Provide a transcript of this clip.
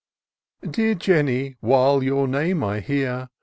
" Dear Jeimy, while your name I hear.